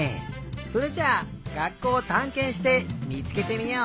それじゃあがっこうをたんけんしてみつけてみよう！